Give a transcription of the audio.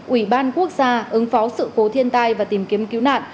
ủy ban quốc gia ứng phó sự cố thiên tai và tìm kiếm cứu nạn